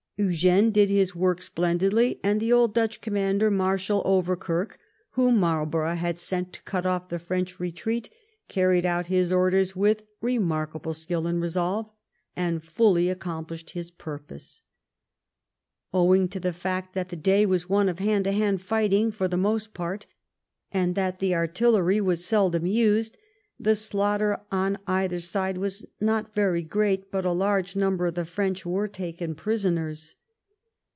Eugene did his work splendidly, and the old Dutch conunander. Marshal Overkirk, whom Marlborough had sent to cut off the Erench retreat, carried out his orders with remarkable skill and resolve, and fully accomplished his purpose. Owing to the fact that the day was one of hand to hand fighting for the most part, and that the artillery was seldom used, the slaughter on either side was not very great, but a large number of the Erench were taken prisoners.